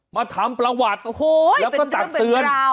มาทำประวัติแล้วก็ตักเตือน